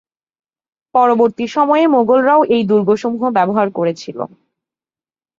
পরবর্তী সময়ে মোগলরাও এ দুর্গসমূহ ব্যবহার করেছিল।